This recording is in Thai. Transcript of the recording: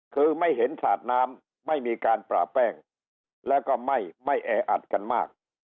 คือไม่เห็นสาดน้ำไม่มีการปราบแป้งแล้วก็ไม่แออัดกันมาก